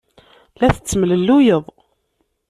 La tettemlelluyed.